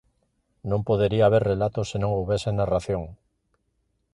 Non podería haber relato se non houbese narración.